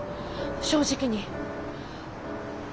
正直に。